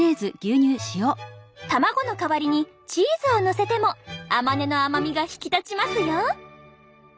卵の代わりにチーズをのせても甘根の甘みが引き立ちますよ。